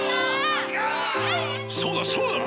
そうだそうだ！